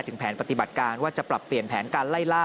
ถึงแผนปฏิบัติการว่าจะปรับเปลี่ยนแผนการไล่ล่า